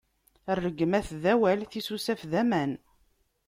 Rregmat d awal, tisusaf d aman.